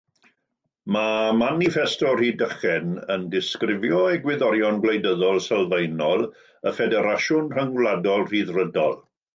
Mae Maniffesto Rhydychen yn disgrifio egwyddorion gwleidyddol sylfaenol y Ffederasiwn Rhyngwladol Rhyddfrydol.